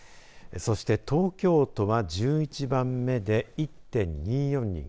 そして、東京都は１１番目で１．２４人